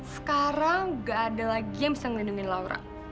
sekarang gak ada lagi yang bisa ngelindungin laura